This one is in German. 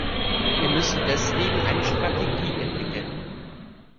Wir müssen deswegen eine Strategie entwickeln.